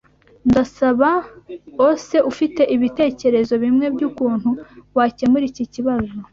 Ndasabaose ufite ibitekerezo bimwe byukuntu wakemura iki kibazo.